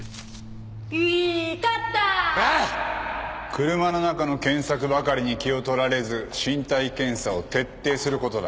車の中の検索ばかりに気を取られず身体検査を徹底することだ。